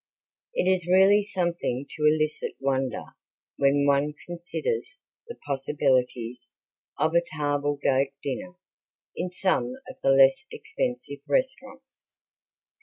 It is really something to elicit wonder when one considers the possibilities of a table d'hote dinner in some of the less expensive restaurants.